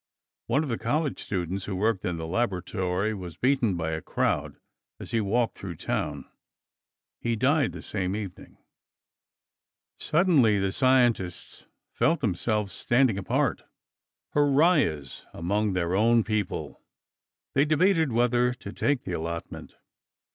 One of the college students who worked in the laboratory was beaten by a crowd as he walked through town. He died the same evening. Suddenly, the scientists felt themselves standing apart, pariahs among their own people. They debated whether to take the allotment.